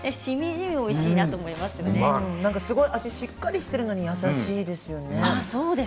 味がしっかりしているのに優しいですよね。